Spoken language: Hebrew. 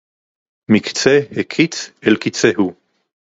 מִקְצֵה הַקַּיִץ אֶל קָצֵהוּ.